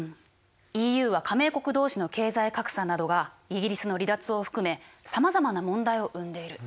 ＥＵは加盟国同士の経済格差などがイギリスの離脱を含めさまざまな問題を生んでいる。